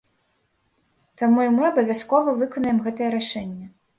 Таму і мы абавязкова выканаем гэтае рашэнне.